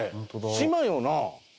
島よな？